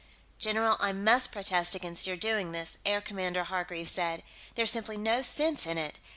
"General, I must protest against your doing this," Air Commodore Hargreaves said. "There's simply no sense in it.